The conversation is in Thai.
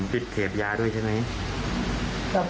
ติดเสพยาด้วยใช่ไหม